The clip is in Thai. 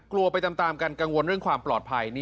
กลัวไปตามกันกังวลเรื่องความปลอดภัย